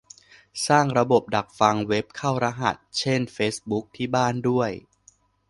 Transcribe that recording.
สร้างระบบดักฟังเว็บเข้ารหัส เช่น เฟซบุ๊ก ที่บ้านด้วย